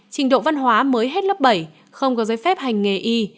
trình độ văn hóa mới hết lớp bảy không có giấy phép hành nghề y